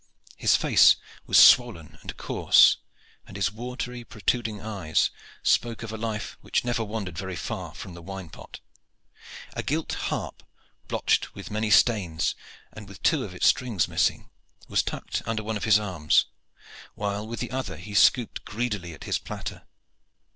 His face was swollen and coarse, and his watery protruding eyes spoke of a life which never wandered very far from the wine pot. A gilt harp, blotched with many stains and with two of its strings missing, was tucked under one of his arms, while with the other he scooped greedily at his platter.